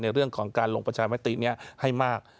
เรื่องของการลงประชามตินี้ให้มาก